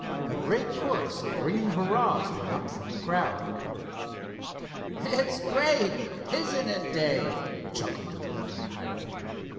A great chorus of ringing hurrahs went up from the crowd. "It's great, isn't it, Dave?" chuckled the delighted Hiram.